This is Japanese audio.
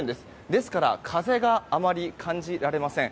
ですから風があまり感じられません。